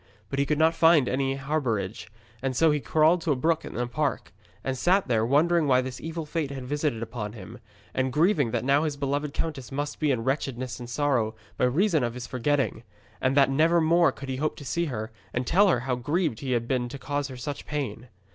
But he could not find any harbourage, and so he crawled to a brook in a park, and sat there wondering why this evil fate had been visited upon him, and grieving that now his beloved countess must be in wretchedness and sorrow by reason of his forgetting, and that never more could he hope to see her and tell her how grieved he had been to cause her such pain.